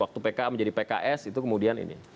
waktu pks menjadi pks itu kemudian ini